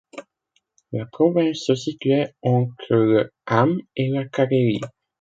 La province se situait entre le Häme et la Carélie.